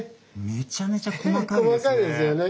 めちゃめちゃ細かいですね。